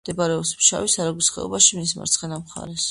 მდებარეობს ფშავის არაგვის ხეობაში, მის მარცხენა მხარეს.